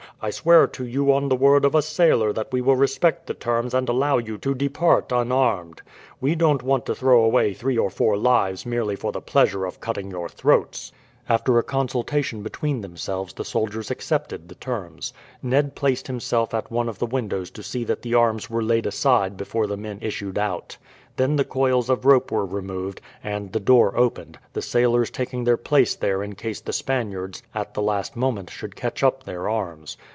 "I swear to you on the word of a sailor that we will respect the terms and allow you to depart unarmed. We don't want to throw away three or four lives merely for the pleasure of cutting your throats." After a consultation between themselves the soldiers accepted the terms. Ned placed himself at one of the windows to see that the arms were laid aside before the men issued out. Then the coils of rope were removed, and the door opened, the sailors taking their place there in case the Spaniards at the last moment should catch up their arms.